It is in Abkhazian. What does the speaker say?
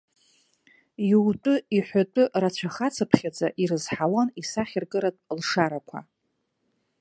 Иутәы, иҳәатәы рацәахацыԥхьаӡа, ирызҳауан исахьаркыратә лшарақәа.